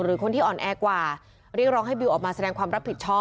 หรือคนที่อ่อนแอร์กว่า